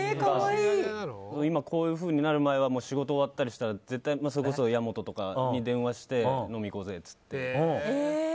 今、こういうふうになる前は仕事終わったら絶対それこそ矢本とかに電話して飲みに行こうぜって。